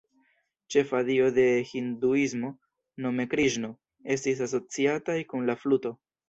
Ĉefa dio de Hinduismo, nome Kriŝno, estis asociataj kun la fluto.